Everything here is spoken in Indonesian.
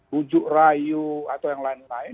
bujuk rayu atau yang lain lain